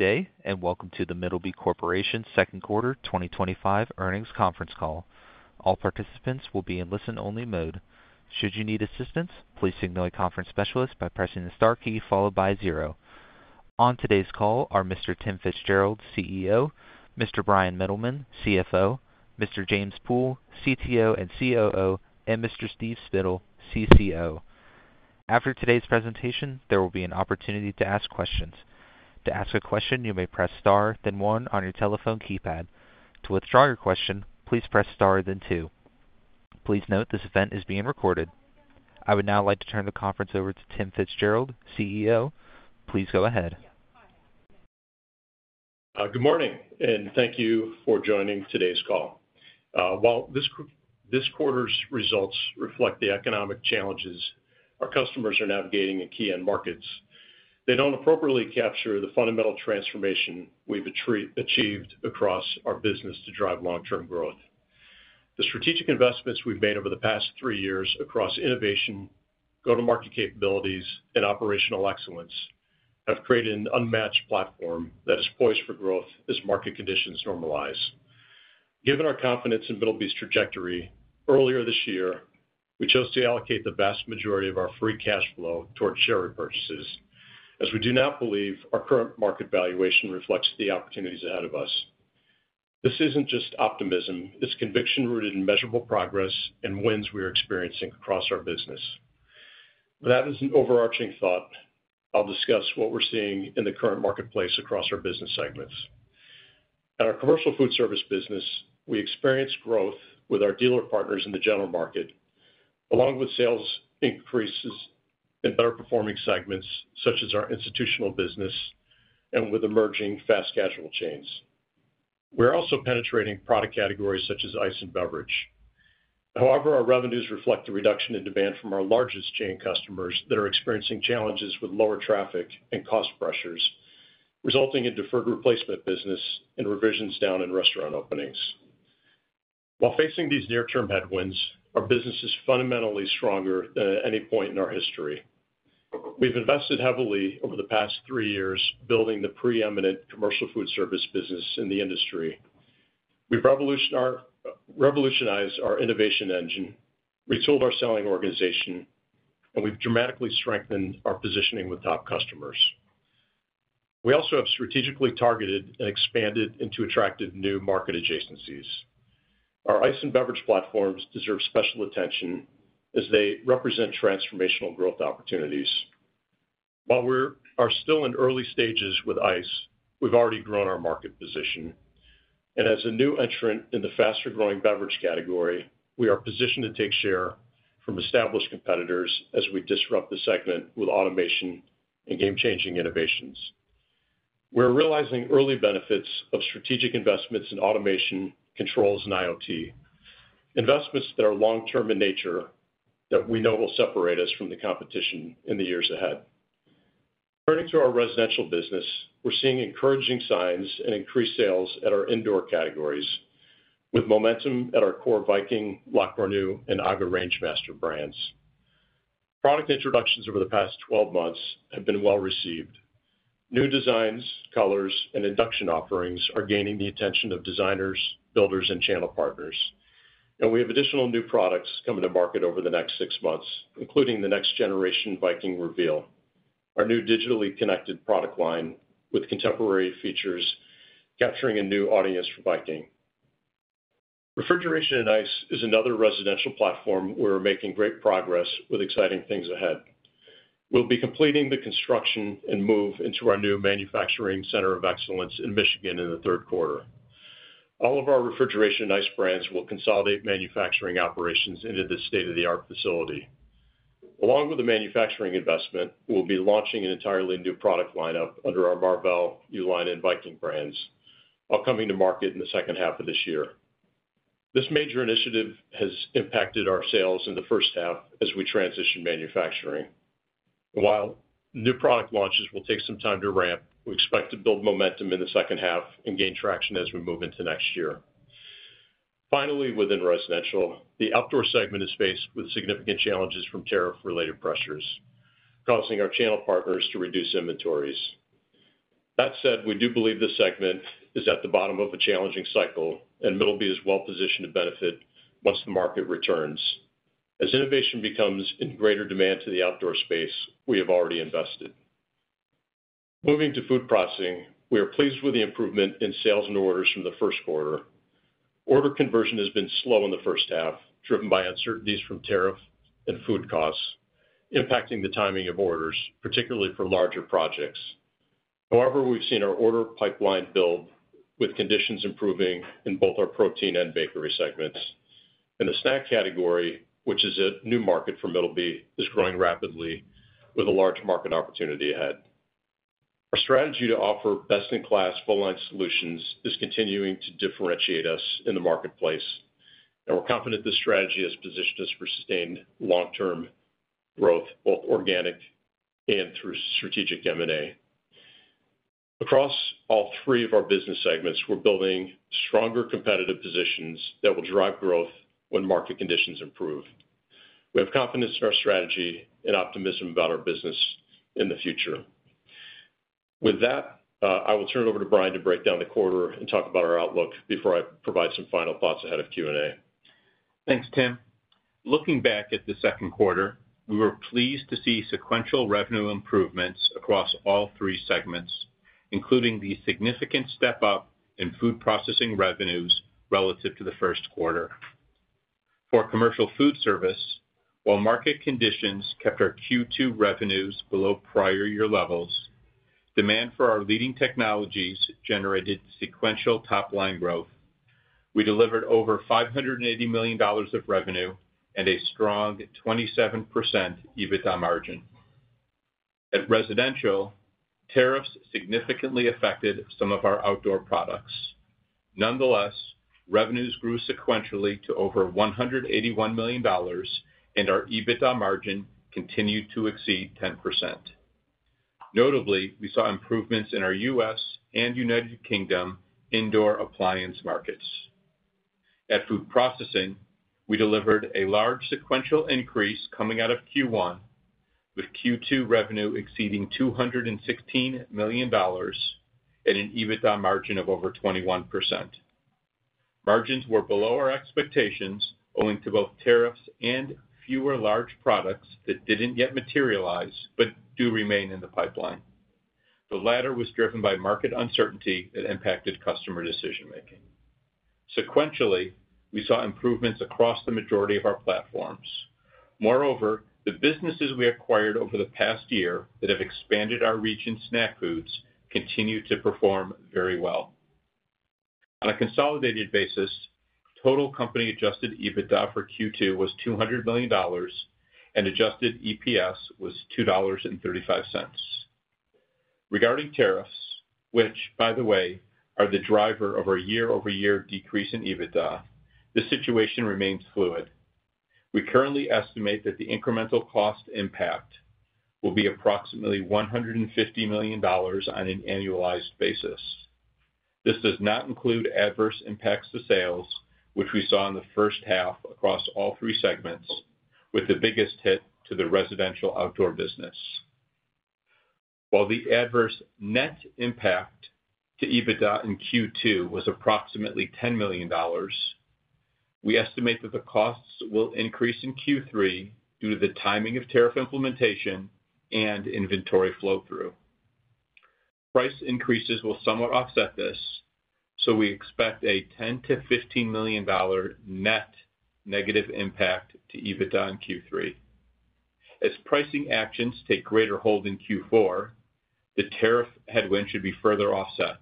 Today, and welcome to The Middleby Corporation's Second Quarter 2025 Earnings Conference Call. All participants will be in listen-only mode. Should you need assistance, please signal a conference specialist by pressing the star key followed by zero. On today's call are Mr. Tim FitzGerald, CEO, Mr. Bryan Mittelman, CFO, Mr. James Pool, CTO and COO, and Mr. Steve Spittle, CCO. After today's presentation, there will be an opportunity to ask questions. To ask a question, you may press star, then one on your telephone keypad. To withdraw your question, please press star, then two. Please note this event is being recorded. I would now like to turn the conference over to Tim FitzGerald, CEO. Please go ahead. Good morning, and thank you for joining today's call. This quarter's results reflect the economic challenges our customers are navigating in key end markets. They don't appropriately capture the fundamental transformation we've achieved across our business to drive long-term growth. The strategic investments we've made over the past three years across innovation, go-to-market capabilities, and operational excellence have created an unmatched platform that is poised for growth as market conditions normalize. Given our confidence in Middleby's trajectory, earlier this year, we chose to allocate the vast majority of our free cash flow towards share repurchases, as we do not believe our current market valuation reflects the opportunities ahead of us. This isn't just optimism; it's conviction rooted in measurable progress and wins we are experiencing across our business. That is an overarching thought. I'll discuss what we're seeing in the current marketplace across our business segments. At our commercial food service business, we experienced growth with our dealer partners in the general market, along with sales increases in better-performing segments such as our institutional business and with emerging fast casual chains. We're also penetrating product categories such as ice and beverage. However, our revenues reflect a reduction in demand from our largest chain customers that are experiencing challenges with lower traffic and cost pressures, resulting in deferred replacement business and revisions down in restaurant openings. While facing these near-term headwinds, our business is fundamentally stronger than at any point in our history. We've invested heavily over the past three years building the preeminent commercial food service business in the industry. We've revolutionized our innovation engine, retooled our selling organization, and we've dramatically strengthened our positioning with top customers. We also have strategically targeted and expanded into attractive new market adjacencies. Our ice and beverage platforms deserve special attention as they represent transformational growth opportunities. While we are still in early stages with ice, we've already grown our market position. As a new entrant in the faster-growing beverage category, we are positioned to take share from established competitors as we disrupt the segment with automation and game-changing innovations. We're realizing early benefits of strategic investments in automation, controls, and IoT, investments that are long-term in nature that we know will separate us from the competition in the years ahead. Turning to our residential business, we're seeing encouraging signs and increased sales at our indoor categories, with momentum at our core Viking, La Cornue, and AGA Rangemaster brands. Product introductions over the past 12 months have been well-received. New designs, colors, and induction offerings are gaining the attention of designers, builders, and channel partners. We have additional new products coming to market over the next six months, including the next-generation Viking RVL, our new digitally connected product line with contemporary features capturing a new audience for Viking. Refrigeration and ice is another residential platform where we're making great progress with exciting things ahead. We'll be completing the construction and move into our new manufacturing center of excellence in Michigan in the third quarter. All of our refrigeration and ice brands will consolidate manufacturing operations into this state-of-the-art facility. Along with the manufacturing investment, we'll be launching an entirely new product lineup under our Marvel, U-Line, and Viking brands, all coming to market in the second half of this year. This major initiative has impacted our sales in the first half as we transition manufacturing. While new product launches will take some time to ramp, we expect to build momentum in the second half and gain traction as we move into next year. Finally, within residential, the outdoor segment is faced with significant challenges from tariff-related pressures, causing our channel partners to reduce inventories. That said, we do believe this segment is at the bottom of a challenging cycle, and Middleby is well-positioned to benefit once the market returns. As innovation becomes in greater demand to the outdoor space, we have already invested. Moving to food processing, we are pleased with the improvement in sales and orders from the first quarter. Order conversion has been slow in the first half, driven by uncertainties from tariff and food costs, impacting the timing of orders, particularly for larger projects. However, we've seen our order pipeline build, with conditions improving in both our protein and bakery segments. The snack category, which is a new market for Middleby, is growing rapidly, with a large market opportunity ahead. Our strategy to offer best-in-class full-line solutions is continuing to differentiate us in the marketplace, and we're confident this strategy has positioned us for sustained long-term growth, both organic and through strategic M&A. Across all three of our business segments, we're building stronger competitive positions that will drive growth when market conditions improve. We have confidence in our strategy and optimism about our business in the future. With that, I will turn it over to Bryan to break down the quarter and talk about our outlook before I provide some final thoughts ahead of Q&A. Thanks, Tim. Looking back at the second quarter, we were pleased to see sequential revenue improvements across all three segments, including the significant step up in food processing revenues relative to the first quarter. For commercial food service, while market conditions kept our Q2 revenues below prior year levels, demand for our leading technologies generated sequential top-line growth. We delivered over $580 million of revenue and a strong 27% EBITDA margin. At residential, tariffs significantly affected some of our outdoor products. Nonetheless, revenues grew sequentially to over $181 million, and our EBITDA margin continued to exceed 10%. Notably, we saw improvements in our U.S. and United Kingdom indoor appliance markets. At food processing, we delivered a large sequential increase coming out of Q1, with Q2 revenue exceeding $216 million and an EBITDA margin of over 21%. Margins were below our expectations owing to both tariffs and fewer large projects that didn't yet materialize but do remain in the pipeline. The latter was driven by market uncertainty that impacted customer decision-making. Sequentially, we saw improvements across the majority of our platforms. Moreover, the businesses we acquired over the past year that have expanded our reach in snack foods continue to perform very well. On a consolidated basis, total company-adjusted EBITDA for Q2 was $200 million, and adjusted EPS was $2.35. Regarding tariffs, which, by the way, are the driver of our year-over-year decrease in EBITDA, the situation remains fluid. We currently estimate that the incremental cost impact will be approximately $150 million on an annualized basis. This does not include adverse impacts to sales, which we saw in the first half across all three segments, with the biggest hit to the residential outdoor business. While the adverse net impact to EBITDA in Q2 was approximately $10 million, we estimate that the costs will increase in Q3 due to the timing of tariff implementation and inventory flow-through. Price increases will somewhat offset this, so we expect a $10 million-$15 million net negative impact to EBITDA in Q3. As pricing actions take greater hold in Q4, the tariff headwind should be further offset.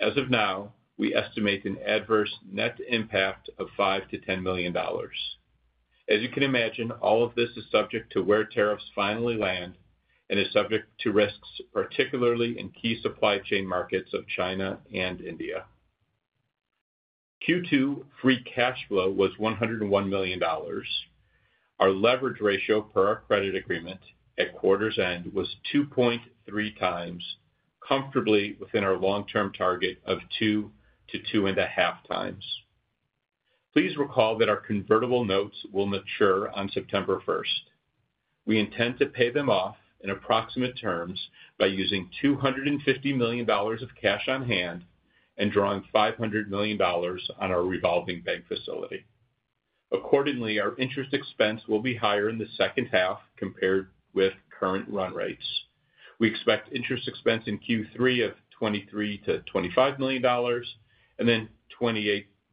As of now, we estimate an adverse net impact of $5 million-$10 million. As you can imagine, all of this is subject to where tariffs finally land and is subject to risks, particularly in key supply chain markets of China and India. Q2 free cash flow was $101 million. Our leverage ratio per our credit agreement at quarter's end was 2.3x, comfortably within our long-term target of 2x-2.5x. Please recall that our convertible notes will mature on September 1. We intend to pay them off in approximate terms by using $250 million of cash on hand and drawing $500 million on our revolving bank facility. Accordingly, our interest expense will be higher in the second half compared with current run rates. We expect interest expense in Q3 of $23 million-$25 million and then $28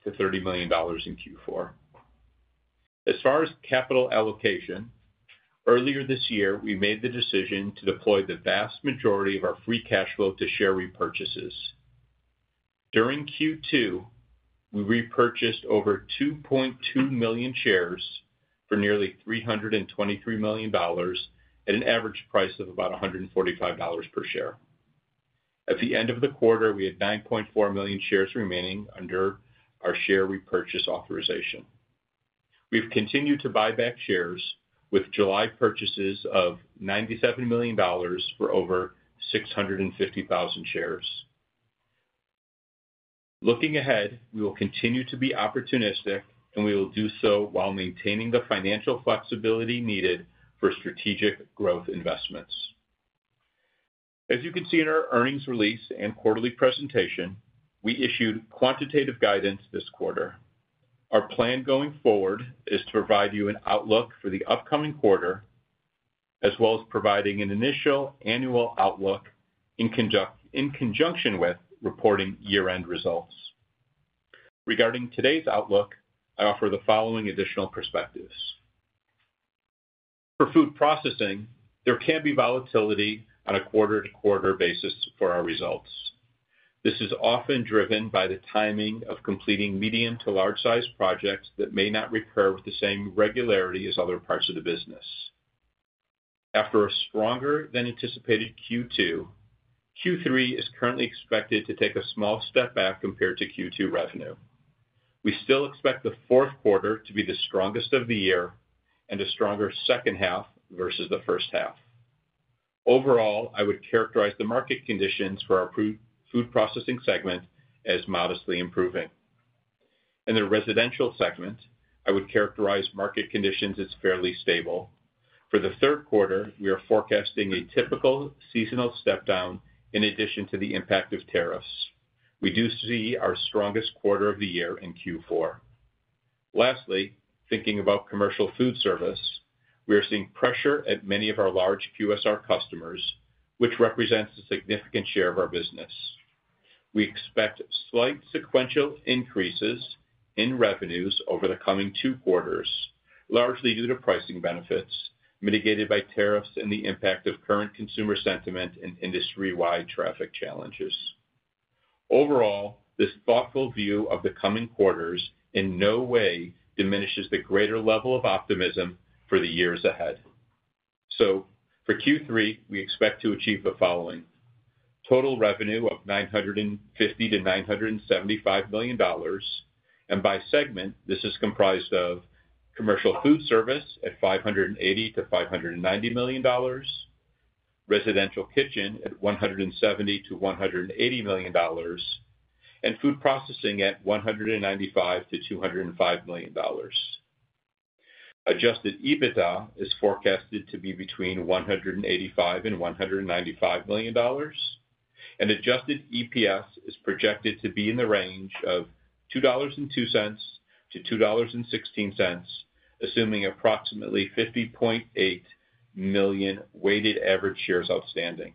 million-$30 million in Q4. As far as capital allocation, earlier this year, we made the decision to deploy the vast majority of our free cash flow to share repurchases. During Q2, we repurchased over 2.2 million shares for nearly $323 million at an average price of about $145 per share. At the end of the quarter, we had 9.4 million shares remaining under our share repurchase authorization. We've continued to buy back shares, with July purchases of $97 million for over 650,000 shares. Looking ahead, we will continue to be opportunistic, and we will do so while maintaining the financial flexibility needed for strategic growth investments. As you can see in our earnings release and quarterly presentation, we issued quantitative guidance this quarter. Our plan going forward is to provide you an outlook for the upcoming quarter, as well as providing an initial annual outlook in conjunction with reporting year-end results. Regarding today's outlook, I offer the following additional perspective. For food processing, there can be volatility on a quarter-to-quarter basis for our results. This is often driven by the timing of completing medium to large-sized projects that may not recur with the same regularity as other parts of the business. After a stronger than anticipated Q2, Q3 is currently expected to take a small step back compared to Q2 revenue. We still expect the fourth quarter to be the strongest of the year and a stronger second half versus the first half. Overall, I would characterize the market conditions for our food processing segment as modestly improving. In the residential segment, I would characterize market conditions as fairly stable. For the third quarter, we are forecasting a typical seasonal step down in addition to the impact of tariffs. We do see our strongest quarter of the year in Q4. Lastly, thinking about commercial food service, we are seeing pressure at many of our large QSR customers, which represents a significant share of our business. We expect slight sequential increases in revenues over the coming two quarters, largely due to pricing benefits mitigated by tariffs and the impact of current consumer sentiment and industry-wide traffic challenges. Overall, this thoughtful view of the coming quarters in no way diminishes the greater level of optimism for the years ahead. For Q3, we expect to achieve the following: total revenue of $950 million-$975 million, and by segment, this is comprised of commercial food service at $580 million-$590 million, residential kitchen at $170 million-$180 million, and food processing at $195 million-$205 million. Adjusted EBITDA is forecasted to be between $185 million and $195 million, and adjusted EPS is projected to be in the range of $2.02-$2.16, assuming approximately 50.8 million weighted average shares outstanding.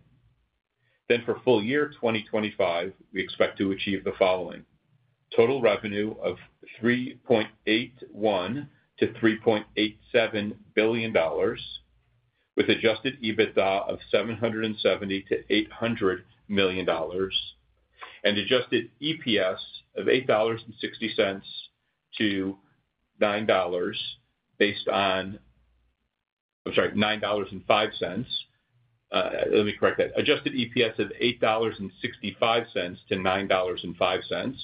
For full year 2025, we expect to achieve the following: total revenue of $3.81 billion-$3.87 billion, with adjusted EBITDA of $770 million-$800 million, and adjusted EPS of $8.60-$9.05. Let me correct that. Adjusted EPS of $8.65-$9.05,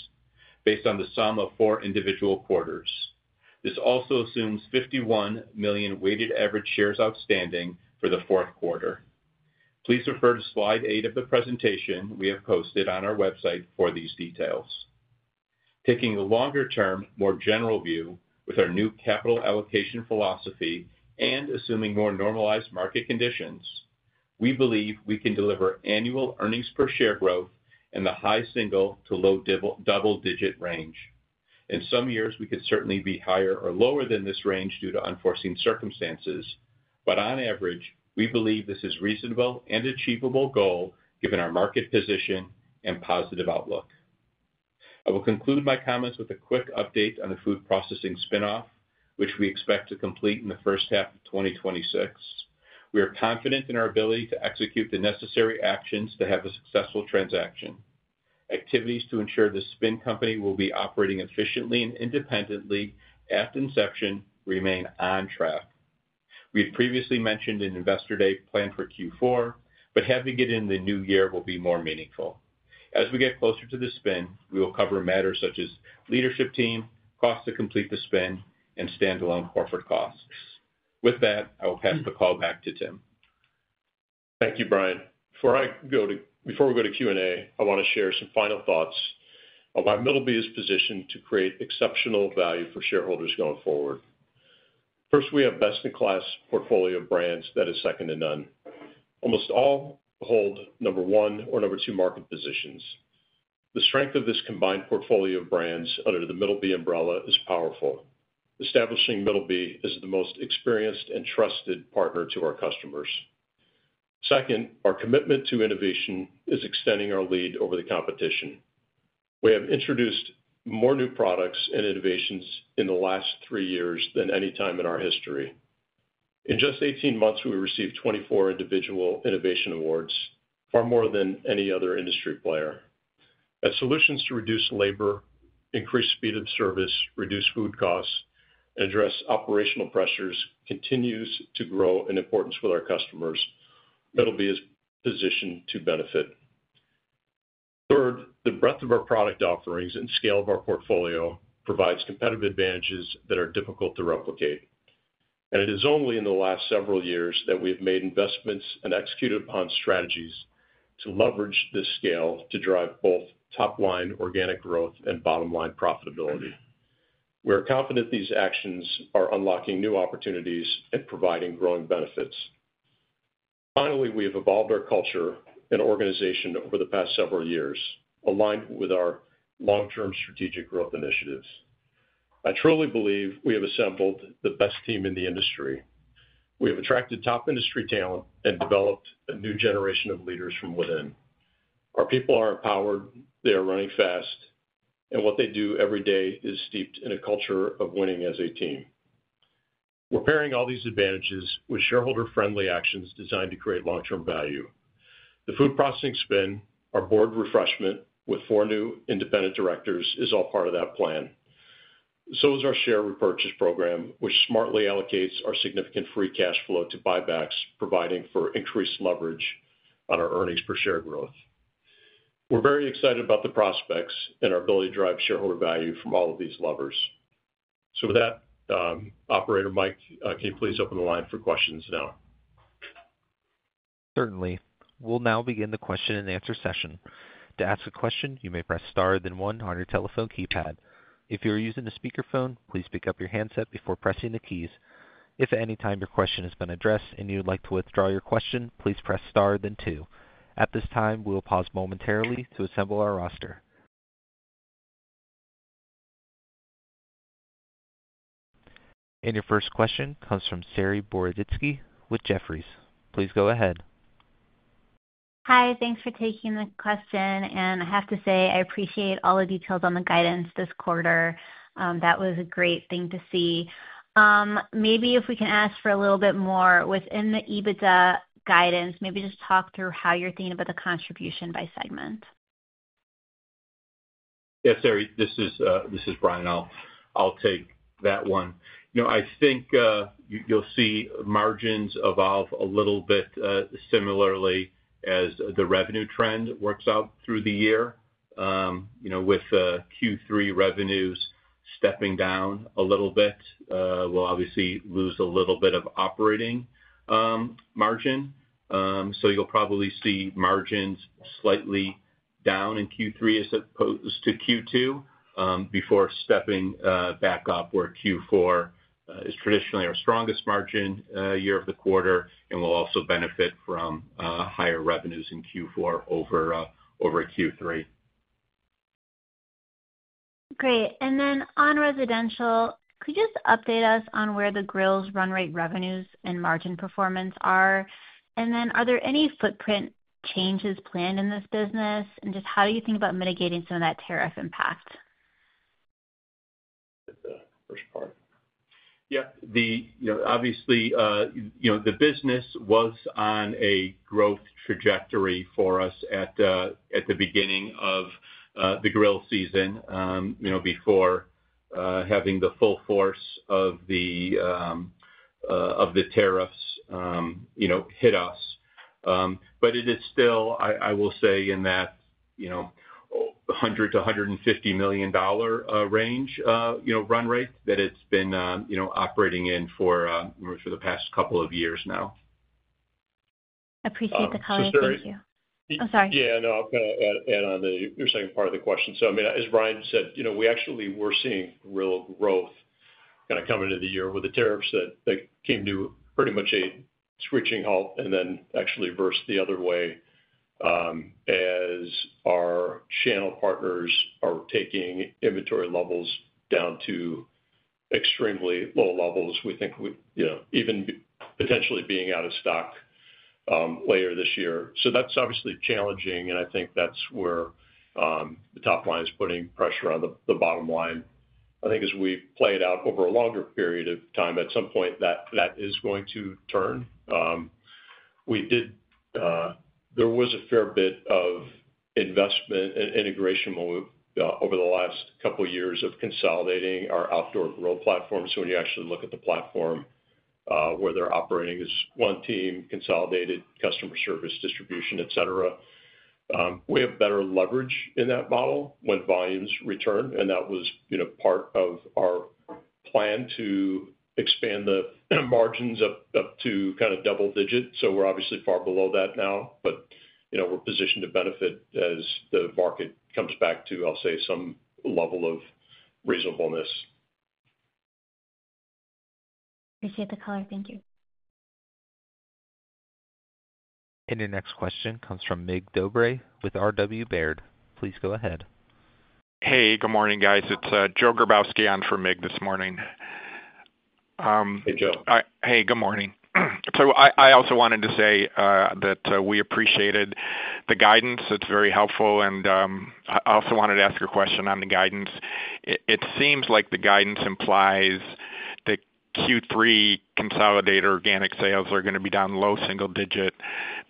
based on the sum of four individual quarters. This also assumes 51 million weighted average shares outstanding for the fourth quarter. Please refer to slide eight of the presentation we have posted on our website for these details. Taking a longer-term, more general view with our new capital allocation philosophy and assuming more normalized market conditions, we believe we can deliver annual earnings per share growth in the high single to low double-digit range. In some years, we could certainly be higher or lower than this range due to unforeseen circumstances, but on average, we believe this is a reasonable and achievable goal given our market position and positive outlook. I will conclude my comments with a quick update on the food processing spin-off, which we expect to complete in the first half of 2026. We are confident in our ability to execute the necessary actions to have a successful transaction. Activities to ensure the spin company will be operating efficiently and independently at inception remain on track. We have previously mentioned an Investor Day planned for Q4, but having it in the new year will be more meaningful. As we get closer to the spin, we will cover matters such as leadership team, costs to complete the spin, and standalone corporate costs. With that, I will pass the call back to Tim. Thank you, Bryan. Before we go to Q&A, I want to share some final thoughts on why Middleby is positioned to create exceptional value for shareholders going forward. First, we have a best-in-class portfolio of brands that are second to none. Almost all hold number one or number two market positions. The strength of this combined portfolio of brands under the Middleby umbrella is powerful, establishing Middleby as the most experienced and trusted partner to our customers. Second, our commitment to innovation is extending our lead over the competition. We have introduced more new products and innovations in the last three years than any time in our history. In just 18 months, we received 24 individual innovation awards, far more than any other industry player. As solutions to reduce labor, increase speed of service, reduce food costs, and address operational pressures continue to grow in importance with our customers, Middleby is positioned to benefit. Third, the breadth of our product offerings and scale of our portfolio provide competitive advantages that are difficult to replicate. It is only in the last several years that we have made investments and executed upon strategies to leverage this scale to drive both top-line organic growth and bottom-line profitability. We are confident these actions are unlocking new opportunities and providing growing benefits. Finally, we have evolved our culture and organization over the past several years, aligned with our long-term strategic growth initiatives. I truly believe we have assembled the best team in the industry. We have attracted top industry talent and developed a new generation of leaders from within. Our people are empowered, they are running fast, and what they do every day is steeped in a culture of winning as a team. We're pairing all these advantages with shareholder-friendly actions designed to create long-term value. The food processing spin, our Board refreshment with four new independent directors, is all part of that plan. Our share repurchase program, which smartly allocates our significant free cash flow to buybacks, provides for increased leverage on our earnings per share growth. We're very excited about the prospects and our ability to drive shareholder value from all of these levers. With that, operator Mike, can you please open the line for questions now? Certainly. We'll now begin the question and answer session. To ask a question, you may press star, then one, on your telephone keypad. If you're using a speakerphone, please pick up your handset before pressing the keys. If at any time your question has been addressed and you would like to withdraw your question, please press star, then two. At this time, we'll pause momentarily to assemble our roster. Your first question comes from Saree Boroditsky with Jefferies. Please go ahead. Hi, thanks for taking the question. I have to say, I appreciate all the details on the guidance this quarter. That was a great thing to see. Maybe if we can ask for a little bit more within the EBITDA guidance, maybe just talk through how you're thinking about the contribution by segment. Yeah, Saree, this is Bryan. I'll take that one. I think you'll see margins evolve a little bit, similarly as the revenue trend works out through the year. With Q3 revenues stepping down a little bit, we'll obviously lose a little bit of operating margin. You'll probably see margins slightly down in Q3 as opposed to Q2, before stepping back up where Q4 is traditionally our strongest margin quarter, and we'll also benefit from higher revenues in Q4 over Q3. Great. And then on residential, could you just update us on where the grill's run rate revenues and margin performance are? Are there any footprint changes planned in this business? How do you think about mitigating some of that tariff impact? Yeah, obviously, the business was on a growth trajectory for us at the beginning of the grill season, before having the full force of the tariffs hit us. It is still, I will say, in that $100 million-$150 million range, run rate that it's been operating in for the past couple of years now. Appreciate the call. So, Saree. Thank you. I'm sorry. Yeah, no, I'll kind of add on the second part of the question. As Bryan said, we actually were seeing real growth coming into the year. With the tariffs, that came to pretty much a switching halt and then actually reversed the other way, as our channel partners are taking inventory levels down to extremely low levels. We think we, you know, even potentially being out of stock later this year. That's obviously challenging, and I think that's where the top line is putting pressure on the bottom line. I think as we play it out over a longer period of time, at some point that is going to turn. We did, there was a fair bit of investment and integration over the last couple of years of consolidating our outdoor grill platform. When you actually look at the platform, where they're operating as one team, consolidated customer service, distribution, etc., we have better leverage in that model when volumes return. That was part of our plan to expand the margins up to kind of double digits. We're obviously far below that now, but we're positioned to benefit as the market comes back to, I'll say, some level of reasonableness. Appreciate the call. Thank you. Your next question comes from Mig Dobre with R. W. Baird. Please go ahead. Hey, good morning, guys. It's Joe Grabowski on for Mig this morning. Hey, Joe. Good morning. I also wanted to say that we appreciated the guidance. It's very helpful. I also wanted to ask a question on the guidance. It seems like the guidance implies that Q3 consolidated organic sales are going to be down low single digit,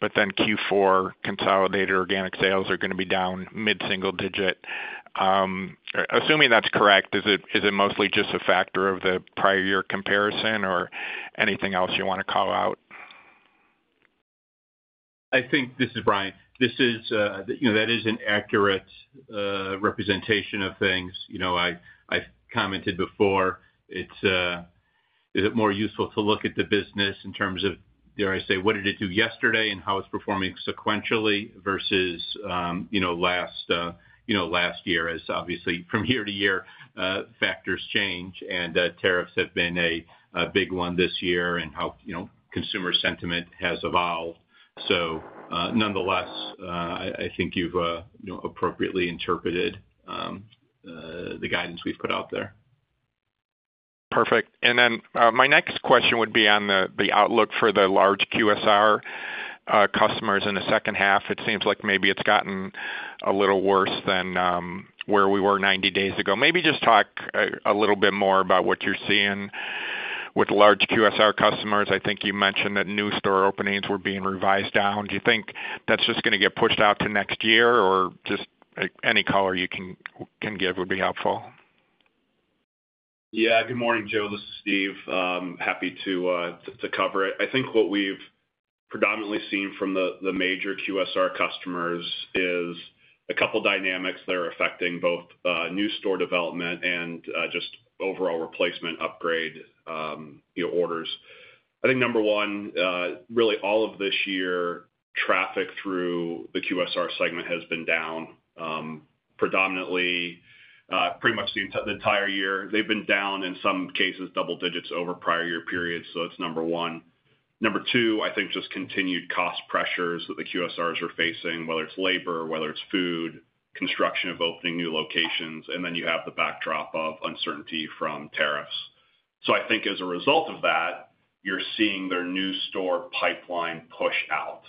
but then Q4 consolidated organic sales are going to be down mid-single digit. Assuming that's correct, is it mostly just a factor of the prior year comparison or anything else you want to call out? I think, this is Bryan. That is an accurate representation of things. I've commented before, is it more useful to look at the business in terms of what did it do yesterday and how it's performing sequentially versus last year, as obviously from year to year, factors change and tariffs have been a big one this year and how consumer sentiment has evolved. Nonetheless, I think you've appropriately interpreted the guidance we've put out there. Perfect. My next question would be on the outlook for the large QSR customers in the second half. It seems like maybe it's gotten a little worse than where we were 90 days ago. Maybe just talk a little bit more about what you're seeing with large QSR customers. I think you mentioned that new store openings were being revised down. Do you think that's just going to get pushed out to next year or just any color you can give would be helpful? Yeah, good morning, Joe. This is Steve. Happy to cover it. I think what we've predominantly seen from the major QSR customers is a couple of dynamics that are affecting both new store development and just overall replacement upgrade orders. I think number one, really all of this year, traffic through the QSR segment has been down. Predominantly, pretty much the entire year, they've been down in some cases double digits over prior year periods. That's number one. Number two, I think just continued cost pressures that the QSRs are facing, whether it's labor, whether it's food, construction of opening new locations, and then you have the backdrop of uncertainty from tariffs. I think as a result of that, you're seeing their new store pipeline push out.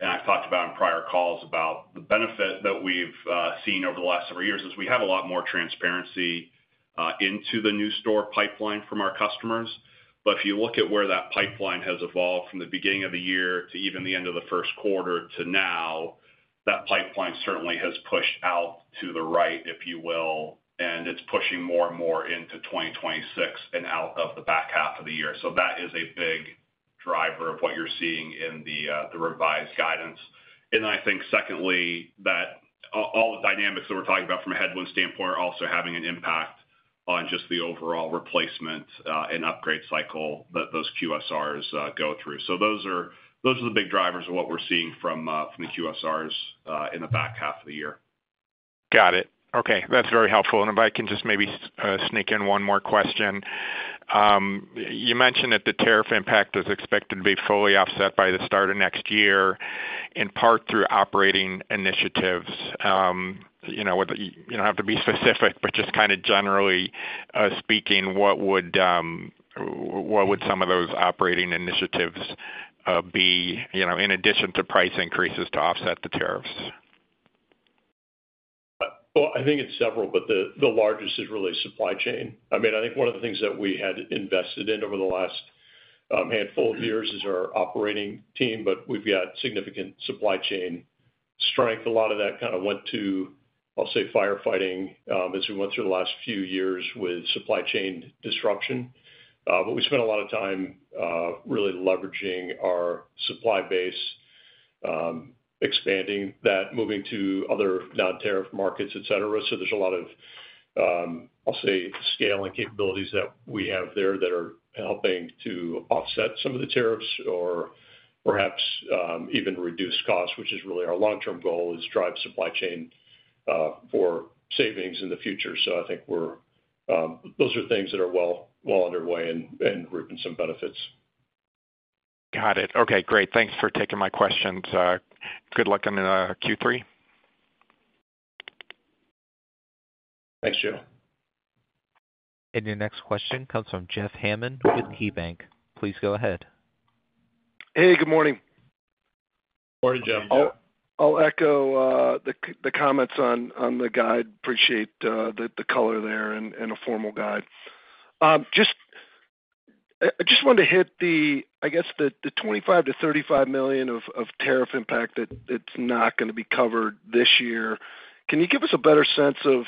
I've talked about in prior calls about the benefit that we've seen over the last several years is we have a lot more transparency into the new store pipeline from our customers. If you look at where that pipeline has evolved from the beginning of the year to even the end of the first quarter to now, that pipeline certainly has pushed out to the right, if you will, and it's pushing more and more into 2026 and out of the back half of the year. That is a big driver of what you're seeing in the revised guidance. I think secondly, that all the dynamics that we're talking about from a headwind standpoint are also having an impact on just the overall replacement and upgrade cycle that those QSRs go through. Those are the big drivers of what we're seeing from the QSRs in the back half of the year. Got it. Okay, that's very helpful. If I can just maybe sneak in one more question. You mentioned that the tariff impact was expected to be fully offset by the start of next year in part through operating initiatives. You know, you don't have to be specific, but just kind of generally speaking, what would some of those operating initiatives be, you know, in addition to price increases to offset the tariffs? I think it's several, but the largest is really supply chain. I mean, I think one of the things that we had invested in over the last handful of years is our operating team, but we've got significant supply chain strength. A lot of that kind of went to, I'll say, firefighting as we went through the last few years with supply chain disruption. We spent a lot of time really leveraging our supply base, expanding that, moving to other non-tariff markets, etc. There is a lot of, I'll say, scale and capabilities that we have there that are helping to offset some of the tariffs or perhaps even reduce costs, which is really our long-term goal, to drive supply chain for savings in the future. I think those are things that are well underway and reaping some benefits. Got it. Okay, great. Thanks for taking my questions. Good luck in Q3. Thanks, Joe. Your next question comes from Jeff Hammond with KeyBanc. Please go ahead. Hey, good morning. Morning, Jeff. I'll echo the comments on the guide. Appreciate the color there and a formal guide. I just wanted to hit the, I guess, the $25 million-$35 million of tariff impact that's not going to be covered this year. Can you give us a better sense of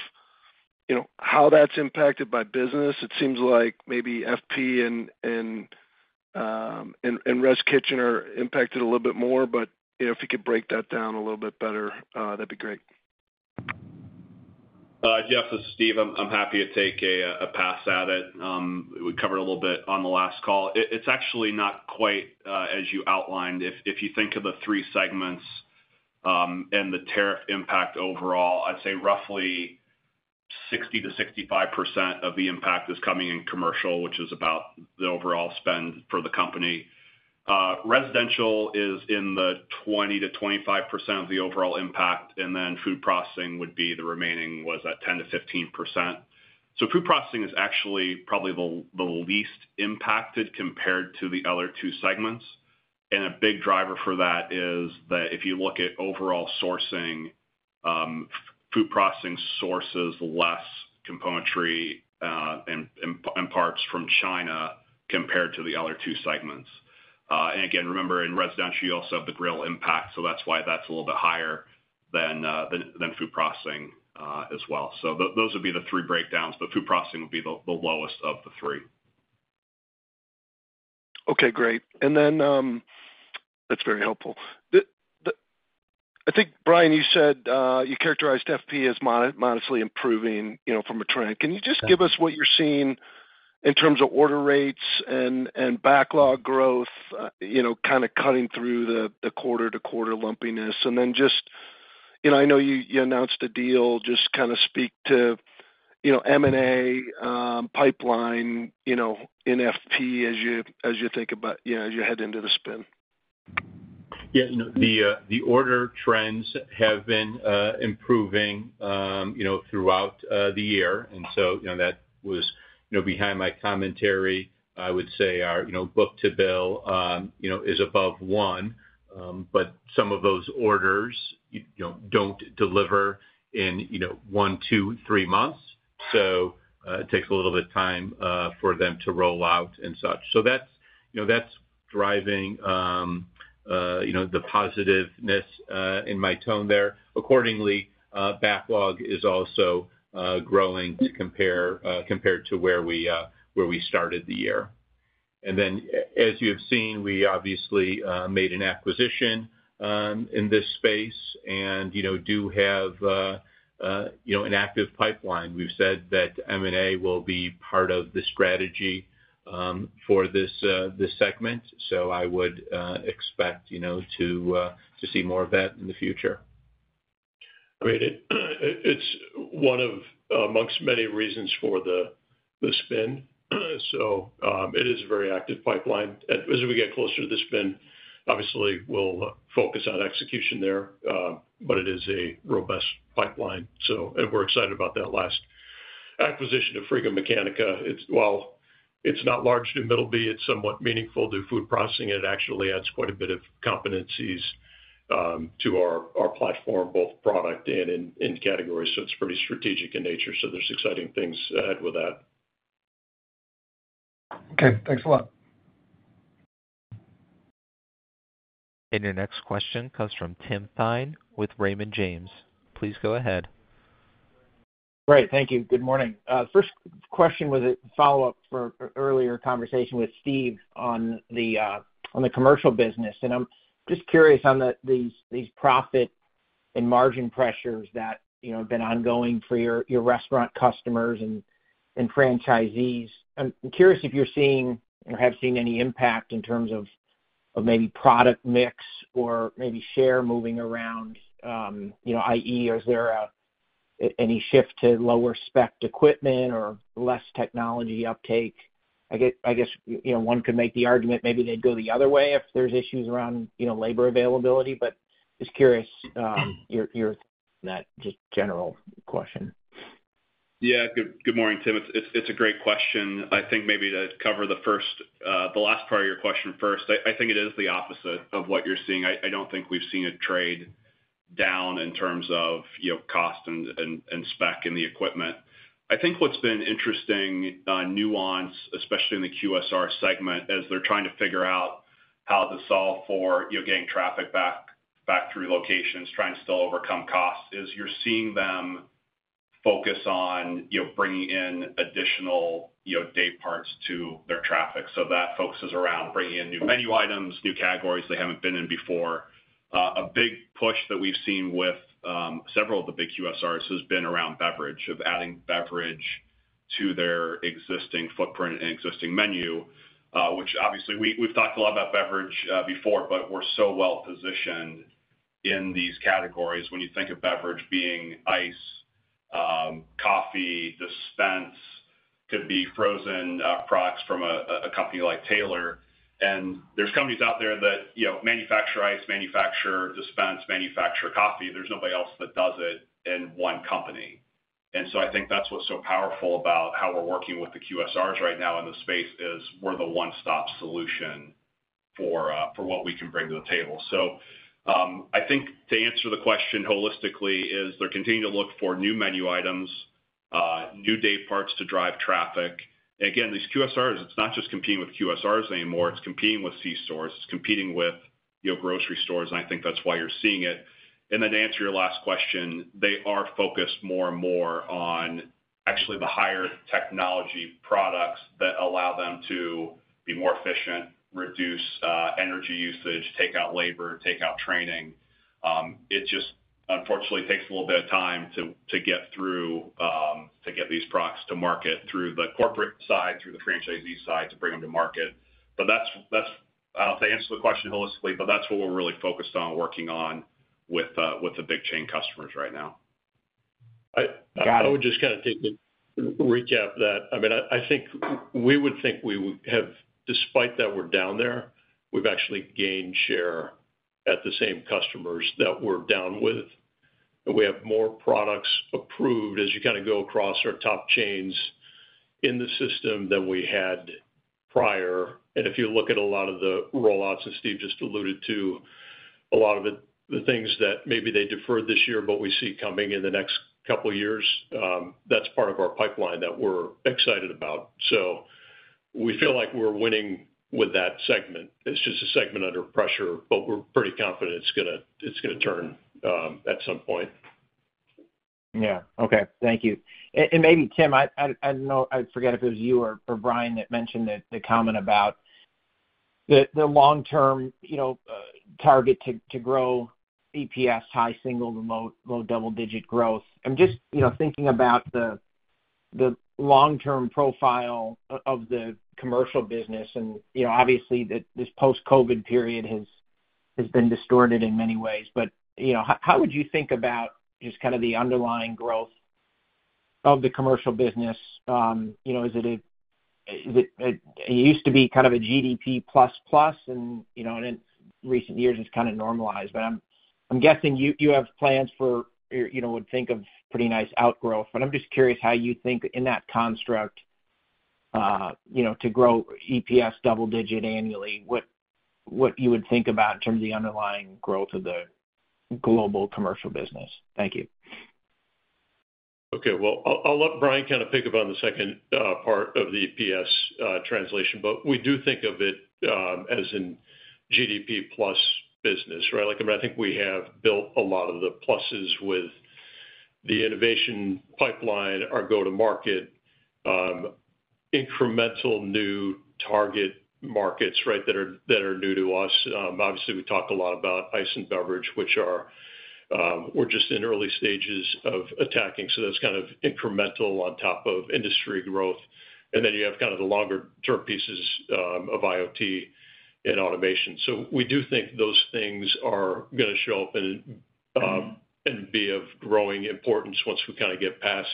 how that's impacted by business? It seems like maybe FP and Res Kitchen are impacted a little bit more, but if you could break that down a little bit better, that'd be great. Jeff, this is Steve. I'm happy to take a pass at it. We covered a little bit on the last call. It's actually not quite as you outlined. If you think of the three segments and the tariff impact overall, I'd say roughly 60%-65% of the impact is coming in commercial, which is about the overall spend for the company. Residential is in the 20%-25% of the overall impact, and then food processing would be the remaining at 10%-15%. Food processing is actually probably the least impacted compared to the other two segments. A big driver for that is that if you look at overall sourcing, food processing sources less componentry and parts from China compared to the other two segments. In residential, you also have the grill impact. That's why that's a little bit higher than food processing as well. Those would be the three breakdowns, but food processing would be the lowest of the three. Okay, great. That's very helpful. I think, Bryan, you said you characterized FP as modestly improving from a trend. Can you just give us what you're seeing in terms of order rates and backlog growth, kind of cutting through the quarter-to-quarter lumpiness? I know you announced a deal. Just kind of speak to M&A pipeline in FP as you think about as you head into the spin. Yeah, the order trends have been improving throughout the year. That was behind my commentary. I would say our book-to-bill is above one, but some of those orders don't deliver in one, two, three months. It takes a little bit of time for them to roll out and such. That's driving the positiveness in my tone there. Accordingly, backlog is also growing compared to where we started the year. As you've seen, we obviously made an acquisition in this space and do have an active pipeline. We've said that M&A will be part of the strategy for this segment. I would expect to see more of that in the future. Great. It's one of amongst many reasons for the spin. It is a very active pipeline. As we get closer to the spin, obviously, we'll focus on execution there, but it is a robust pipeline. We're excited about that last acquisition of Frigomeccanica. While it's not large to Middleby, it's somewhat meaningful to food processing. It actually adds quite a bit of competencies to our platform, both product and in category. It is pretty strategic in nature. There are exciting things ahead with that. Okay, thanks a lot. Your next question comes from Tim Theine with Raymond James. Please go ahead. Right, thank you. Good morning. The first question was a follow-up for an earlier conversation with Steve on the commercial business. I'm just curious on these profit and margin pressures that have been ongoing for your restaurant customers and franchisees. I'm curious if you're seeing or have seen any impact in terms of maybe product mix or maybe share moving around, i.e., is there any shift to lower spec equipment or less technology uptake? I guess one could make the argument maybe they'd go the other way if there's issues around labor availability. Just curious, that just general question. Yeah, good morning, Tim. It's a great question. I think maybe to cover the last part of your question first, I think it is the opposite of what you're seeing. I don't think we've seen a trade down in terms of cost and spec in the equipment. I think what's been an interesting nuance, especially in the QSR segment, is they're trying to figure out how to solve for getting traffic back through locations, trying to still overcome costs. You're seeing them focus on bringing in additional day parts to their traffic. That focuses around bringing in new menu items, new categories they haven't been in before. A big push that we've seen with several of the big QSRs has been around beverage, of adding beverage to their existing footprint and existing menu, which obviously we've talked a lot about beverage before, but we're so well-positioned in these categories. When you think of beverage being ice, coffee, dispense, could be frozen products from a company like Taylor. There are companies out there that manufacture ice, manufacture dispense, manufacture coffee. There's nobody else that does it in one company. I think that's what's so powerful about how we're working with the QSRs right now in the space. We're the one-stop solution for what we can bring to the table. To answer the question holistically, they're continuing to look for new menu items, new day parts to drive traffic. These QSRs, it's not just competing with QSRs anymore. It's competing with C-stores, competing with grocery stores. I think that's why you're seeing it. To answer your last question, they are focused more and more on actually the higher technology products that allow them to be more efficient, reduce energy usage, take out labor, take out training. It just unfortunately takes a little bit of time to get these products to market through the corporate side, through the franchisee side to bring them to market. I don't know if I answered the question holistically, but that's what we're really focused on working on with the big chain customers right now. I would just take a recap of that. I think we would have, despite that we're down there, we've actually gained share at the same customers that we're down with. We have more products approved as you go across our top chains in the system than we had prior. If you look at a lot of the rollouts that Steve just alluded to, a lot of the things that maybe they deferred this year, we see coming in the next couple of years. That's part of our pipeline that we're excited about. We feel like we're winning with that segment. It's just a segment under pressure, but we're pretty confident it's going to turn at some point. Okay. Thank you. Maybe, Tim, I don't know, I forget if it was you or Bryan that mentioned the comment about the long-term target to grow EPS high single to low double-digit growth. I'm just thinking about the long-term profile of the commercial business. Obviously, this post-COVID period has been distorted in many ways. How would you think about just kind of the underlying growth of the commercial business? Is it, it used to be kind of a GDP plus plus and in recent years it's kind of normalized. I'm guessing you have plans for, would think of pretty nice outgrowth. I'm just curious how you think in that construct, to grow EPS double-digit annually, what you would think about in terms of the underlying growth of the global commercial business. Thank you. Okay, I'll let Bryan kind of pick up on the second part of the EPS translation. We do think of it as in GDP plus business, right? I mean, I think we have built a lot of the pluses with the innovation pipeline, our go-to-market, incremental new target markets, right, that are new to us. Obviously, we talk a lot about ice and beverage, which are, we're just in early stages of attacking. That's kind of incremental on top of industry growth. You have the longer-term pieces of IoT and automation. We do think those things are going to show up and be of growing importance once we kind of get past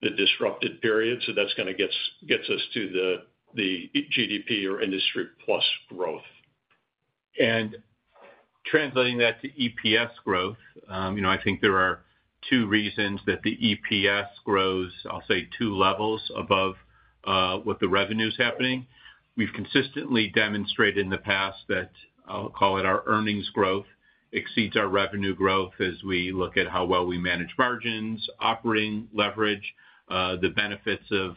the disrupted period. That gets us to the GDP or industry plus growth. Translating that to EPS growth, I think there are two reasons that the EPS grows, I'll say, two levels above what the revenue is happening. We've consistently demonstrated in the past that I'll call it our earnings growth exceeds our revenue growth as we look at how well we manage margins, operating leverage, the benefits of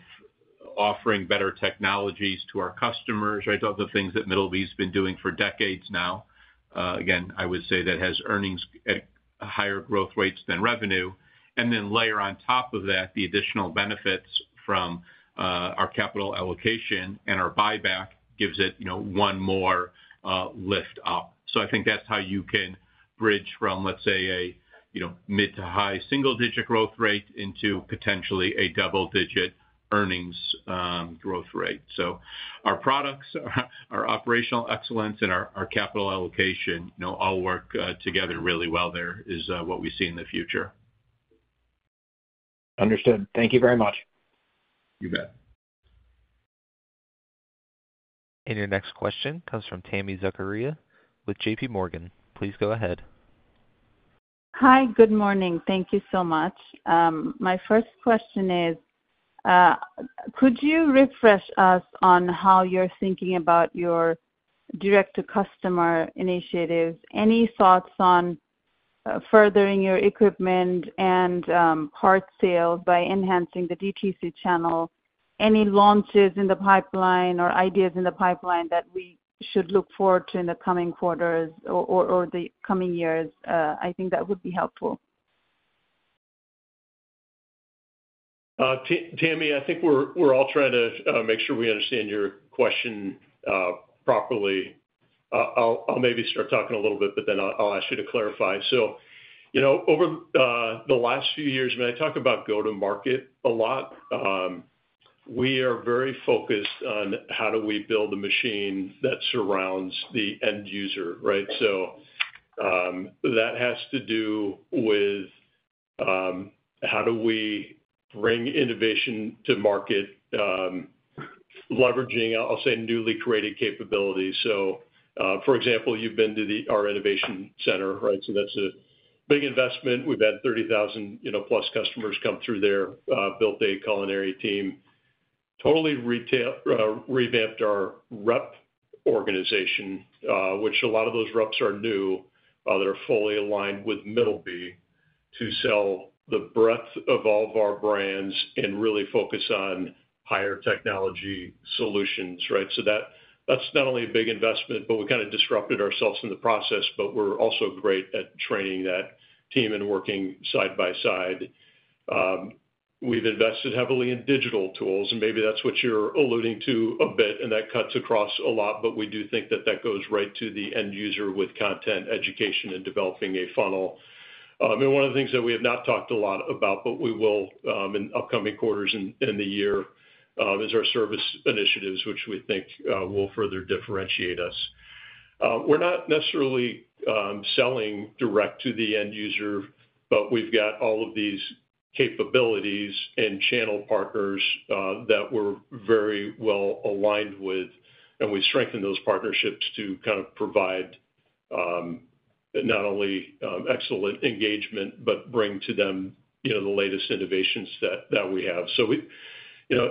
offering better technologies to our customers, right? The things that Middleby has been doing for decades now. I would say that has earnings at higher growth rates than revenue. Layer on top of that the additional benefits from our capital allocation and our buyback gives it one more lift up. I think that's how you can bridge from, let's say, a mid to high single-digit growth rate into potentially a double-digit earnings growth rate. Our products, our operational excellence, and our capital allocation all work together really well. There is what we see in the future. Understood. Thank you very much. You bet. Your next question comes from Tami Zakaria with JPMorgan. Please go ahead. Hi, good morning. Thank you so much. My first question is, could you refresh us on how you're thinking about your direct-to-customer initiatives? Any thoughts on furthering your equipment and part sales by enhancing the DTC channel? Any launches in the pipeline or ideas in the pipeline that we should look forward to in the coming quarters or the coming years? I think that would be helpful. Tami, I think we're all trying to make sure we understand your question properly. I'll maybe start talking a little bit, but then I'll ask you to clarify. Over the last few years, I mean, I talk about go-to-market a lot. We are very focused on how do we build a machine that surrounds the end user, right? That has to do with how do we bring innovation to market, leveraging, I'll say, newly created capabilities. For example, you've been to our innovation center, right? That's a big investment. We've had 30,000+ customers come through there, built a culinary team, totally revamped our rep organization, which a lot of those reps are new that are fully aligned with Middleby to sell the breadth of all of our brands and really focus on higher technology solutions, right? That's not only a big investment, but we kind of disrupted ourselves in the process, but we're also great at training that team and working side by side. We've invested heavily in digital tools, and maybe that's what you're alluding to a bit, and that cuts across a lot, but we do think that goes right to the end user with content, education, and developing a funnel. One of the things that we have not talked a lot about, but we will in upcoming quarters and in the year, is our service initiatives, which we think will further differentiate us. We're not necessarily selling direct to the end user, but we've got all of these capabilities and channel partners that we're very well-aligned with, and we strengthen those partnerships to provide not only excellent engagement, but bring to them the latest innovations that we have.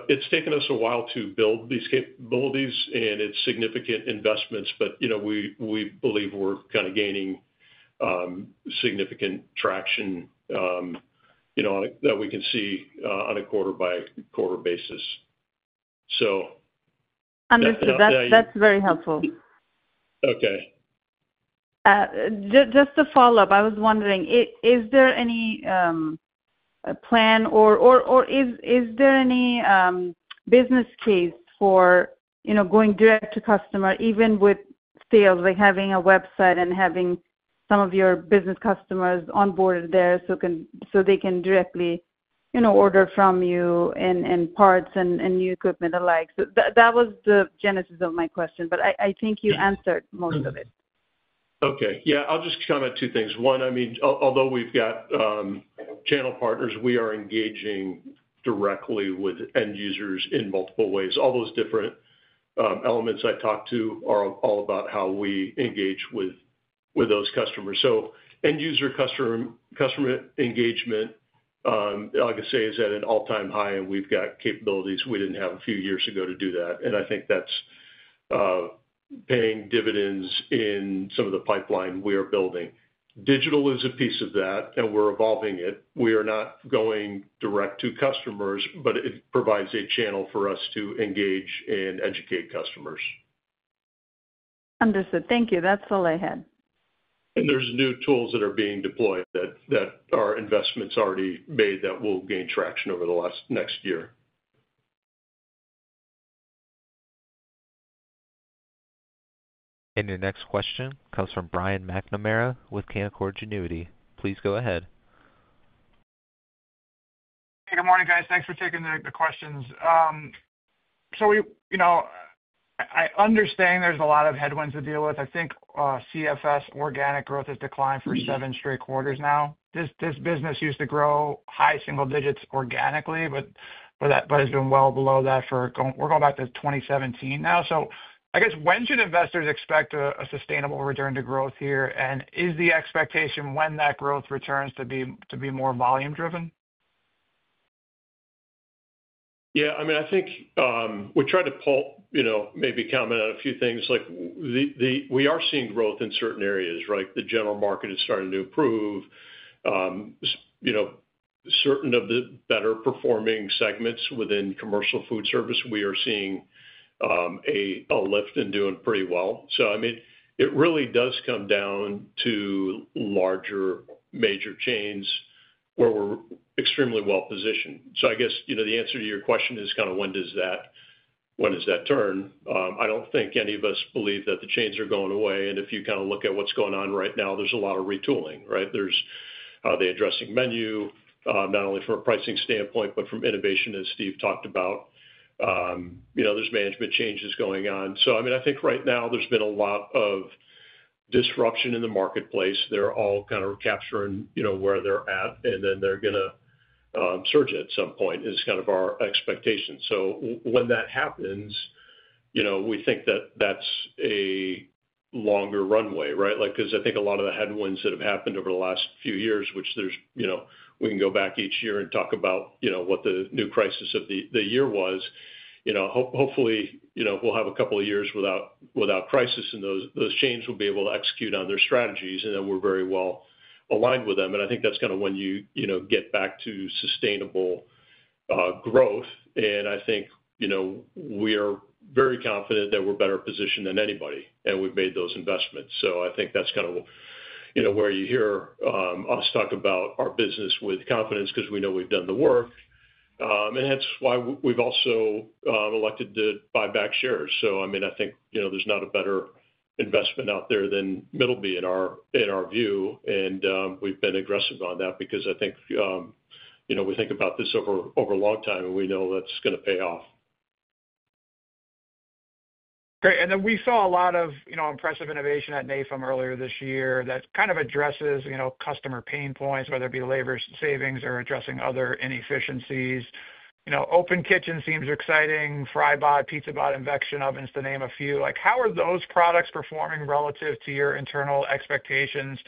It's taken us a while to build these capabilities, and it's significant investments, but we believe we're kind of gaining significant traction that we can see on a quarter-by-quarter basis. Understood. That's very helpful. Okay. Just to follow up, I was wondering, is there any plan or is there any business case for, you know, going direct to customer, even with sales, like having a website and having some of your business customers onboarded there so they can directly, you know, order from you and parts and new equipment alike? That was the genesis of my question, but I think you answered most of it. Okay, I'll just comment two things. One, I mean, although we've got channel partners, we are engaging directly with end users in multiple ways. All those different elements I talked to are all about how we engage with those customers. End user customer engagement, I'll just say, is at an all-time high, and we've got capabilities we didn't have a few years ago to do that. I think that's paying dividends in some of the pipeline we are building. Digital is a piece of that, and we're evolving it. We are not going direct to customers, but it provides a channel for us to engage and educate customers. Understood. Thank you. That's all I had. There are new tools that are being deployed that are investments already made that will gain traction over the next year. The next question comes from Brian McNamara with Canaccord Genuity. Please go ahead. Hey, good morning, guys. Thanks for taking the questions. I understand there's a lot of headwinds to deal with. I think CFS organic growth has declined for seven straight quarters now. This business used to grow high single digits organically, but it's been well below that for going, we're going back to 2017 now. I guess when should investors expect a sustainable return to growth here? Is the expectation when that growth returns to be more volume-driven? Yeah, I mean, I think we try to maybe comment on a few things. We are seeing growth in certain areas, right? The general market is starting to improve. Certain of the better performing segments within commercial food service, we are seeing a lift and doing pretty well. It really does come down to larger major chains where we're extremely well-positioned. I guess the answer to your question is kind of when does that, when does that turn? I don't think any of us believe that the chains are going away. If you kind of look at what's going on right now, there's a lot of retooling, right? There's the addressing menu, not only from a pricing standpoint, but from innovation, as Steve talked about. There's management changes going on. I think right now there's been a lot of disruption in the marketplace. They're all kind of capturing where they're at. They're going to surge at some point is kind of our expectation. When that happens, we think that that's a longer runway, right? I think a lot of the headwinds that have happened over the last few years, which there's, we can go back each year and talk about what the new crisis of the year was. Hopefully, we'll have a couple of years without crisis and those chains will be able to execute on their strategies. We're very well-aligned with them. I think that's kind of when you get back to sustainable growth. I think we are very confident that we're better positioned than anybody. We've made those investments. I think that's kind of where you hear us talk about our business with confidence because we know we've done the work. That's why we've also elected to buy back shares. I think there's not a better investment out there than Middleby in our view. We've been aggressive on that because I think we think about this over a long time and we know that's going to pay off. Great. We saw a lot of impressive innovation at NAFEM earlier this year that addresses customer pain points, whether it be labor savings or addressing other inefficiencies. Open Kitchen seems exciting. FryBot, PizzaBot, [convection] ovens, to name a few. How are those products performing relative to your internal expectations?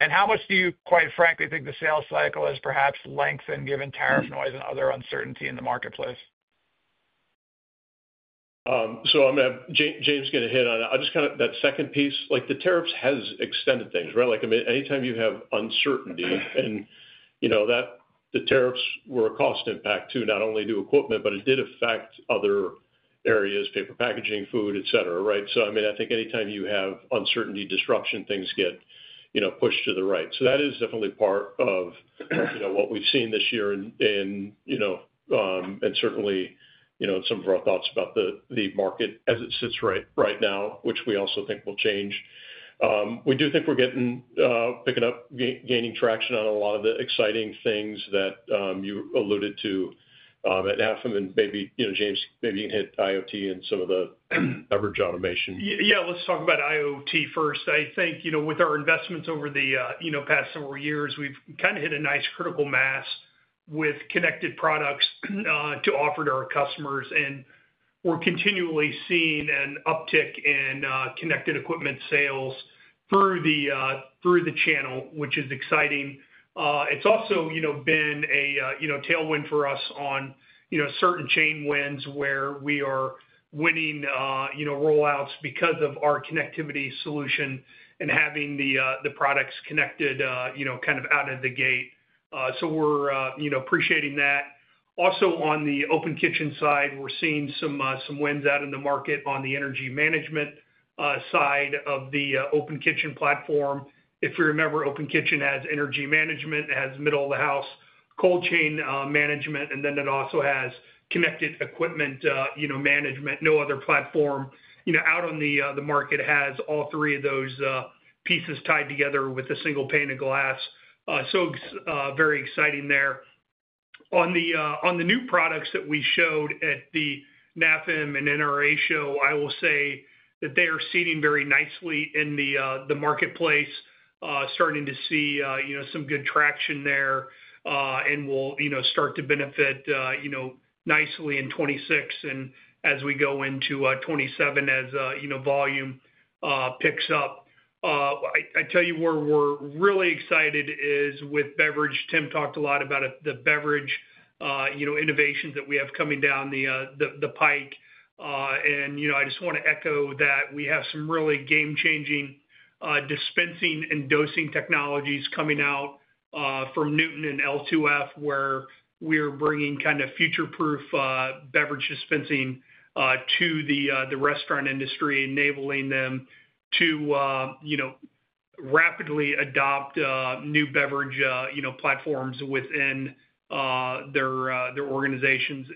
How much do you, quite frankly, think the sales cycle has perhaps lengthened given tariff noise and other uncertainty in the marketplace? I'm going to have James get a hit on it. I'll just kind of, that second piece, like the tariffs have extended things, right? I mean, anytime you have uncertainty and, you know, the tariffs were a cost impact to not only do equipment, but it did affect other areas, paper packaging, food, etc., right? I think anytime you have uncertainty, disruption, things get, you know, pushed to the right. That is definitely part of what we've seen this year and, you know, certainly, you know, in some of our thoughts about the market as it sits right now, which we also think will change. We do think we're getting, picking up, gaining traction on a lot of the exciting things that you alluded to at NAFEM. Maybe, you know, James, maybe you can hit IoT and some of the beverage automation. Yeah, let's talk about IoT first. I think with our investments over the past several years, we've kind of hit a nice critical mass with connected products to offer to our customers. We're continually seeing an uptick in connected equipment sales through the channel, which is exciting. It's also been a tailwind for us on certain chain wins where we are winning rollouts because of our connectivity solution and having the products connected out of the gate. We're appreciating that. Also, on the Open Kitchen side, we're seeing some wins out in the market on the energy management side of the Open Kitchen platform. If you remember, Open Kitchen has energy management, has middle of the house cold chain management, and then it also has connected equipment management. No other platform out on the market has all three of those pieces tied together with a single pane of glass. Very exciting there. On the new products that we showed at the NAFEM and NRA show, I will say that they are seating very nicely in the marketplace, starting to see some good traction there. We'll start to benefit nicely in 2026, and as we go into 2027, as volume picks up. I tell you where we're really excited is with beverage. Tim talked a lot about the beverage innovations that we have coming down the pike. I just want to echo that we have some really game-changing dispensing and dosing technologies coming out from Newton and L2F, where we are bringing kind of future-proof beverage dispensing to the restaurant industry, enabling them to rapidly adopt new beverage platforms within their organizations.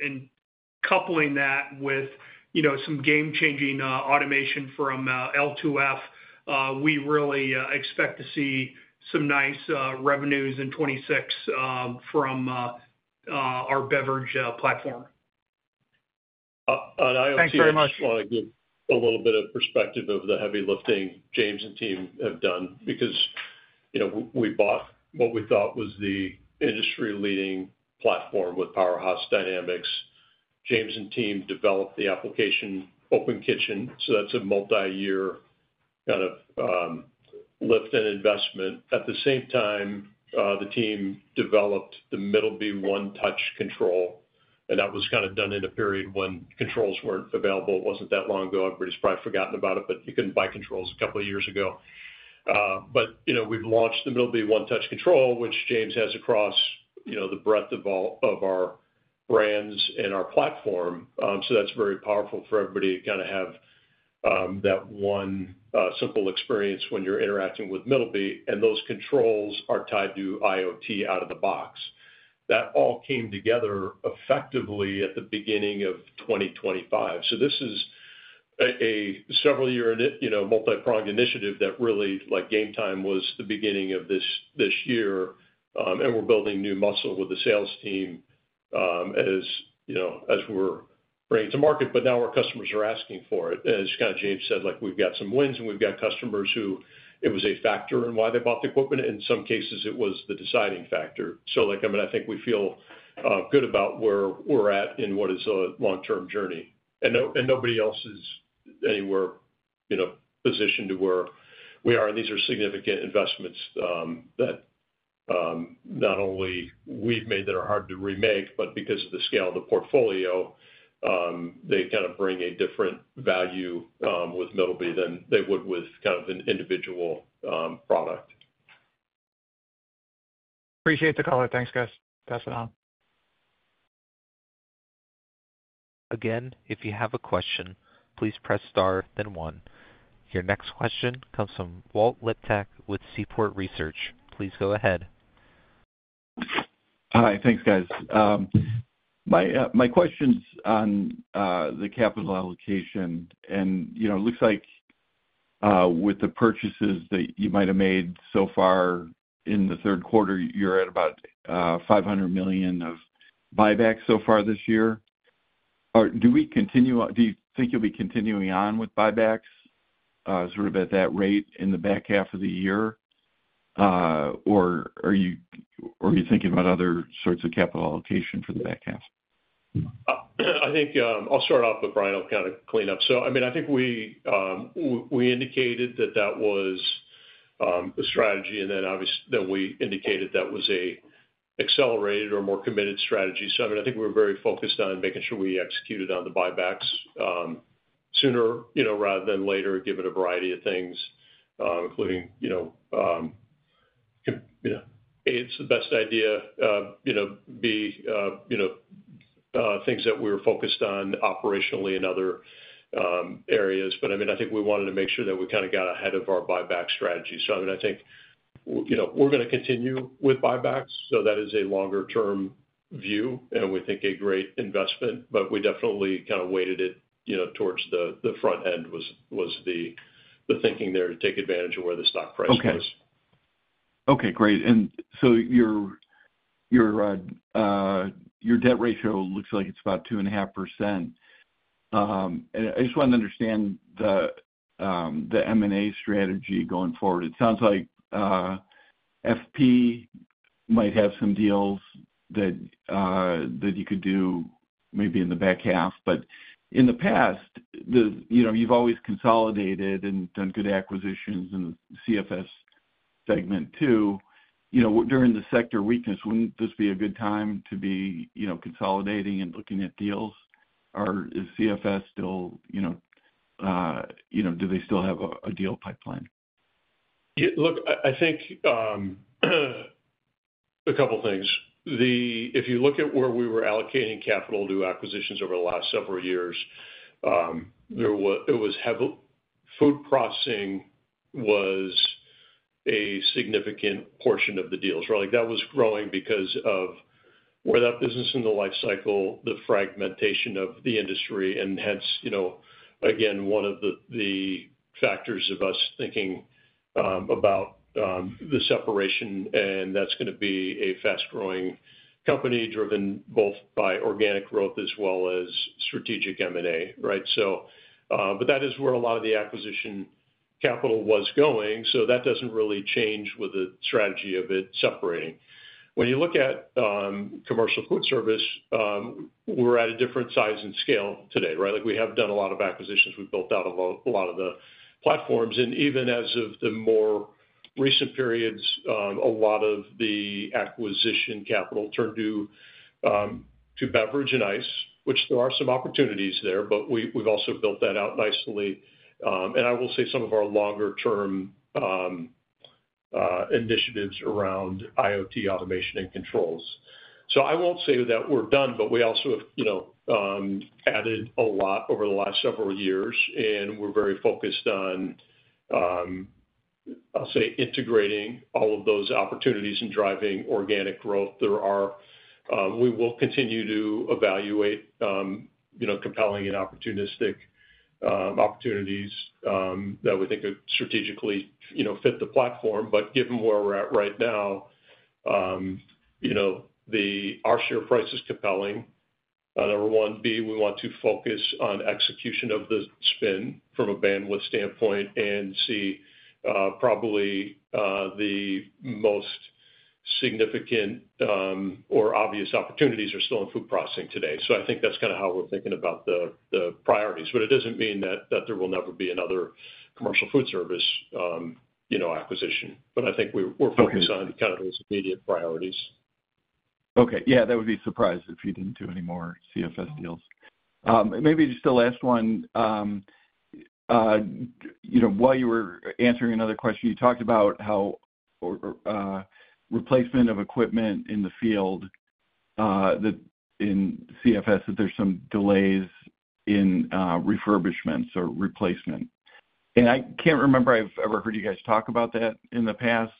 Coupling that with some game-changing automation from L2F, we really expect to see some nice revenues in 2026 from our beverage platform. I'll give a little bit of perspective of the heavy lifting James and team have done because, you know, we bought what we thought was the industry-leading platform with Powerhouse Dynamics. James and team developed the application Open Kitchen. That's a multi-year kind of lift and investment. At the same time, the team developed the Middleby OneTouch Control. That was kind of done in a period when controls weren't available. It wasn't that long ago. Everybody's probably forgotten about it, but you couldn't buy controls a couple of years ago. We've launched the Middleby OneTouch Control, which James has across the breadth of our brands and our platform. That's very powerful for everybody to have that one simple experience when you're interacting with Middleby. Those controls are tied to IoT out of the box. That all came together effectively at the beginning of 2025. This is a several-year, multi-prong initiative that really, like game time, was the beginning of this year. We're building new muscle with the sales team as we're bringing it to market. Now our customers are asking for it. As James said, we've got some wins and we've got customers who it was a factor in why they bought the equipment. In some cases, it was the deciding factor. I think we feel good about where we're at and what is the long-term journey. Nobody else is anywhere positioned to where we are. These are significant investments that not only we've made that are hard to remake, but because of the scale of the portfolio, they bring a different value with Middleby than they would with an individual product. Appreciate the call. Thanks, guys. Pass it on. Again, if you have a question, please press star, then one. Your next question comes from Walt Liptak with Seaport Research. Please go ahead. Hi, thanks, guys. My question's on the capital allocation. It looks like with the purchases that you might have made so far in the third quarter, you're at about $500 million of buybacks so far this year. Do we continue, do you think you'll be continuing on with buybacks sort of at that rate in the back half of the year? Are you thinking about other sorts of capital allocation for the back half? I think I'll start off, but Brian will kind of clean up. I think we indicated that that was a strategy. Obviously, then we indicated that was an accelerated or more committed strategy. I think we were very focused on making sure we executed on the buybacks sooner rather than later, given a variety of things, including, A, it's the best idea, B, things that we were focused on operationally and other areas. I think we wanted to make sure that we kind of got ahead of our buyback strategy. I think we're going to continue with buyback. That is a longer-term view and we think a great investment. We definitely kind of weighted it towards the front end, was the thinking there, to take advantage of where the stock price is. Okay, great. Your debt ratio looks like it's about 2.5%. I just wanted to understand the M&A strategy going forward. It sounds like FP might have some deals that you could do maybe in the back half. In the past, you've always consolidated and done good acquisitions in the CFS segment too. During the sector weakness, wouldn't this be a good time to be consolidating and looking at deals? Is CFS still, do they still have a deal pipeline? Look, I think a couple of things. If you look at where we were allocating capital to acquisitions over the last several years, it was heavily, food processing was a significant portion of the deals. That was growing because of that business in the lifecycle, the fragmentation of the industry. Hence, you know, again, one of the factors of us thinking about the separation. That's going to be a fast-growing company driven both by organic growth as well as strategic M&A. That is where a lot of the acquisition capital was going. That doesn't really change with the strategy of it separating. When you look at commercial food service, we're at a different size and scale today. We have done a lot of acquisitions. We've built out a lot of the platforms. Even as of the more recent periods, a lot of the acquisition capital turned to beverage and ice, which there are some opportunities there, but we've also built that out nicely. I will say some of our longer-term initiatives around IoT automation and controls. I won't say that we're done, but we also have, you know, added a lot over the last several years. We're very focused on, I'll say, integrating all of those opportunities and driving organic growth through our, we will continue to evaluate, you know, compelling and opportunistic opportunities that we think could strategically, you know, fit the platform. Given where we're at right now, you know, our share price is compelling. Number one, B, we want to focus on execution of the spin from a bandwidth standpoint. C, probably the most significant or obvious opportunities are still in food processing today. I think that's kind of how we're thinking about the priorities. It doesn't mean that there will never be another commercial food service, you know, acquisition. I think we're focused on kind of those immediate priorities. Okay, yeah, I would be surprised if you didn't do any more CFS deals. Maybe just the last one. While you were answering another question, you talked about how replacement of equipment in the field, that in CFS, that there's some delays in refurbishments or replacement. I can't remember if I've ever heard you guys talk about that in the past.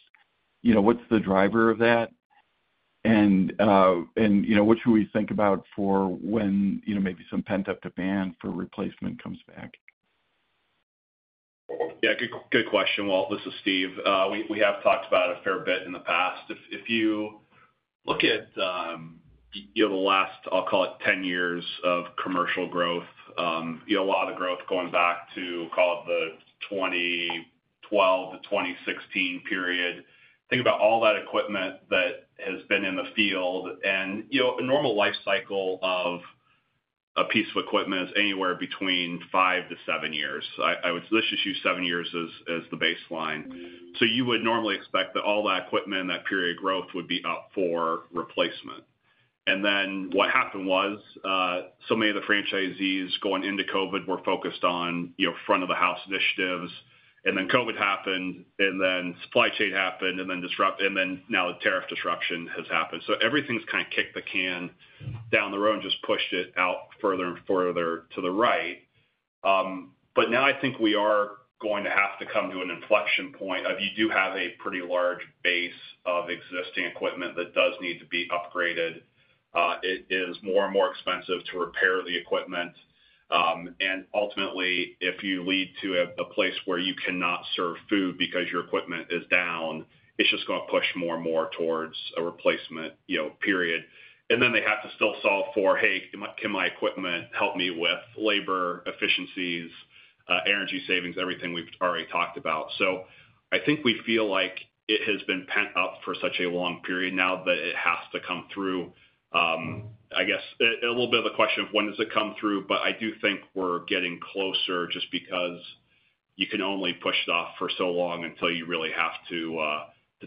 What's the driver of that? What should we think about for when maybe some pent-up demand for replacement comes back? Yeah, good question. This is Steve. We have talked about it a fair bit in the past. If you look at the last, I'll call it 10 years of commercial growth, a lot of growth going back to, call it the 2012-2016 period. Think about all that equipment that has been in the field. A normal life cycle of a piece of equipment is anywhere between five to seven years. Let's just use seven years as the baseline. You would normally expect that all that equipment, that period of growth, would be up for replacement. What happened was so many of the franchisees going into COVID were focused on front-of-the-house initiatives. COVID happened, supply chain happened, disruption happened, and now the tariff disruption has happened. Everything's kind of kicked the can down the road and just pushed it out further and further to the right. I think we are going to have to come to an inflection point. You do have a pretty large base of existing equipment that does need to be upgraded. It is more and more expensive to repair the equipment. Ultimately, if you lead to a place where you cannot serve food because your equipment is down, it's just going to push more and more towards a replacement period. They have to still solve for, hey, can my equipment help me with labor efficiencies, energy savings, everything we've already talked about? I think we feel like it has been pent up for such a long period now that it has to come through. I guess a little bit of the question is when does it come through, but I do think we're getting closer just because you can only push it off for so long until you really have to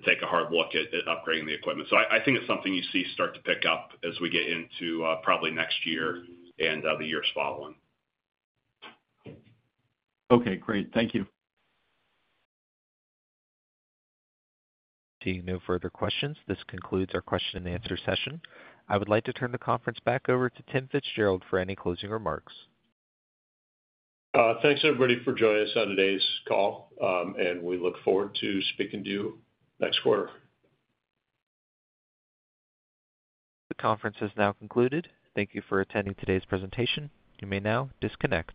take a hard look at upgrading the equipment. I think it's something you see start to pick up as we get into probably next year and the years following. Okay, great. Thank you. Seeing no further questions, this concludes our question and answer session. I would like to turn the conference back over to Tim FitzGerald for any closing remarks. Thanks, everybody, for joining us on today's call. We look forward to speaking to you next quarter. The conference has now concluded. Thank you for attending today's presentation. You may now disconnect.